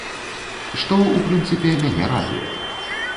Што, у прынцыпе, мяне радуе.